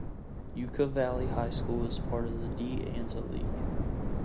Yucca Valley High School is part of the De Anza League.